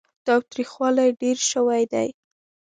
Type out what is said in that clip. تاوتريخوالی ډېر شوی دی.